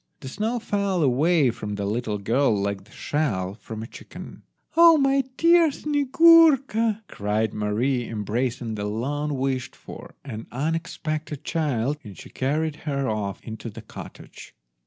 The snow fell away from the little girl like the shell from a chicken. "Ah, my dear Snyegurka!" cried Mary, embracing the long wished for and unexpected child, and she carried her off into the cottage.